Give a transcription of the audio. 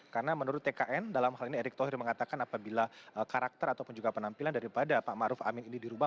karena menurut tkn dalam hal ini erick thohir mengatakan apabila karakter ataupun juga penampilan daripada pak ma'ruf amin ini dirubah